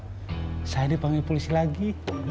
saya dipanggil polisi lagi